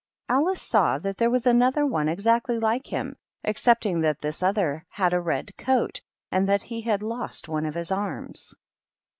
Alice saw that there was another one exactly like him, excepting that tliis other had a red coat, and that he had lost one of his arms.